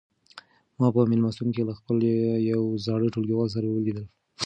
ما په مېلمستون کې له خپل یو زاړه ټولګیوال سره ولیدل.